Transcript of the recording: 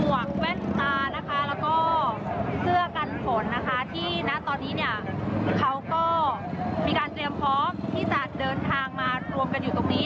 วกแว่นตานะคะแล้วก็เสื้อกันฝนนะคะที่ณตอนนี้เนี่ยเขาก็มีการเตรียมพร้อมที่จะเดินทางมารวมกันอยู่ตรงนี้